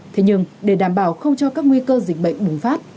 thế nhưng để đảm bảo không cho các nguy cơ dịch bệnh bùng phát